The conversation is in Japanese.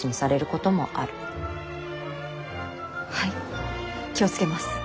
はい気を付けます。